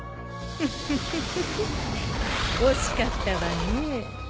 フフフフ惜しかったわね。